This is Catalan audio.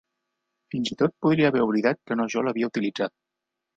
Fins i tot podria haver oblidat que no jo l'havia utilitzat.